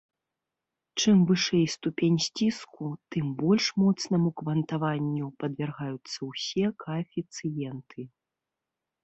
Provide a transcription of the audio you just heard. Чым вышэй ступень сціску, тым больш моцнаму квантаванню падвяргаюцца ўсе каэфіцыенты.